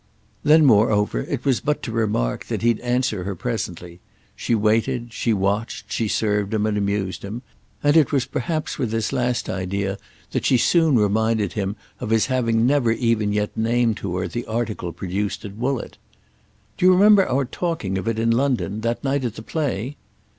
Then moreover it was but to remark that he'd answer her presently. She waited, she watched, she served him and amused him, and it was perhaps with this last idea that she soon reminded him of his having never even yet named to her the article produced at Woollett. "Do you remember our talking of it in London—that night at the play?"